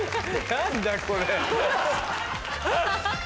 何だこれ？